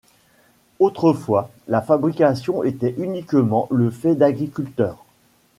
Autrefois, la fabrication était uniquement le fait d'agriculteurs.